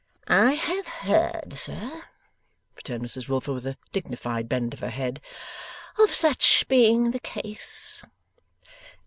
'I have heard, sir,' returned Mrs Wilfer, with a dignified bend of her head, 'of such being the case.